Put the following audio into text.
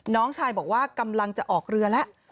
น้องชายบอกว่ากำลังจะออกเรือแล้ว